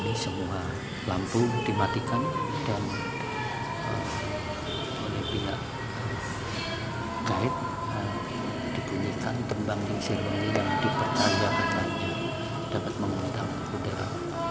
ini semua lampu dimatikan dan oleh bila kait dibunyikan tembang kling sirungi yang diperkaja berkaca dapat menghentak udara